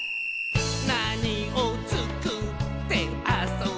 「なにをつくってあそぼかな」